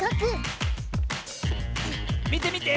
みてみて！